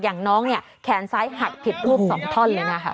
อย่างน้องเนี่ยแขนซ้ายหักผิดรูป๒ท่อนเลยนะคะ